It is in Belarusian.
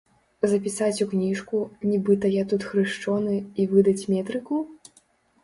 Запісаць у кніжку, нібыта я тут хрышчоны, і выдаць метрыку?